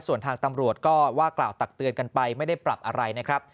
ส่วนทางตำรวจก็ว่ากล่าวตักเตือนกันไปไม่ได้ปรับอะไรนะครับ